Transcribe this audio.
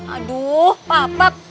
aduh pak pap